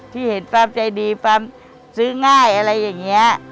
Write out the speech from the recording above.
ที่เห็นฟาร์มใจดีฟาร์มซื้อง่ายอะไรอย่างนี้